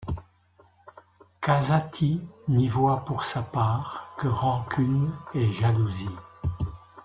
Cazzati n'y voit, pour sa part, que rancunes et jalousies.